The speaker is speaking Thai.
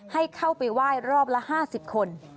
ให้เข้าไปไหว้รอบละ๕๐คน